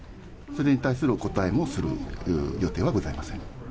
それに対する答えもする予定はございません。